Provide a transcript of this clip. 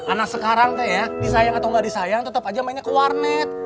anak sekarang teh ya disayang atau nggak disayang tetap aja mainnya ke warnet